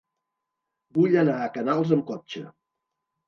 Vull anar a Canals amb cotxe.